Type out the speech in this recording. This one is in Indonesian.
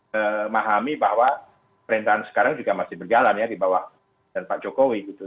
memahami bahwa perintahan sekarang juga masih berjalan ya di bawah dan pak jokowi gitu